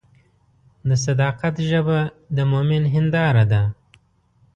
د صداقت ژبه د مؤمن هنداره ده.